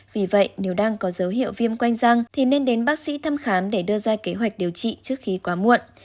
vì vậy nếu đang có dấu hiệu viêm quanh răng thì nên đến bác sĩ thăm khám để đưa ra kế hoạch điều trị trước khi quá muộn